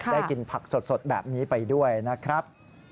ได้กินผักสดแบบนี้ไปด้วยนะครับ